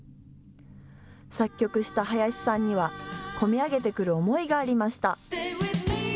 作曲した林さんには、込み上げてくる思いがありました。